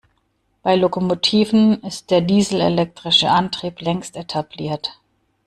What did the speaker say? Bei Lokomotiven ist der dieselelektrische Antrieb längst etabliert.